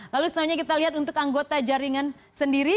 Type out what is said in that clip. lalu selanjutnya kita lihat untuk anggota jaringan sendiri